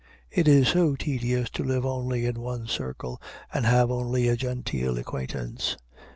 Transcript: It is so tedious to live only in one circle and have only a genteel acquaintance!